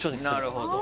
なるほど。